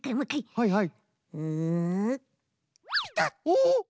はいはい。